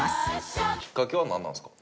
きっかけはなんなんですか？